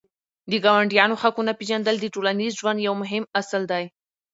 د ګاونډیانو حقونه پېژندل د ټولنیز ژوند یو مهم اصل دی.